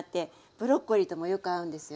ブロッコリーともよく合うんですよ。